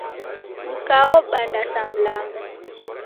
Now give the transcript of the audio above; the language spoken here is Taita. Mka wobanda sa mlamba.